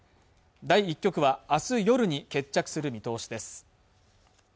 第１局はあす夜に決着する見通しです